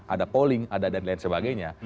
ada polling ada dan lain sebagainya